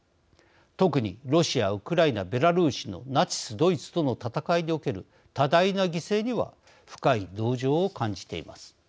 特にロシア、ウクライナベラルーシのナチスドイツとの戦いにおける多大な犠牲には深い同情を感じています。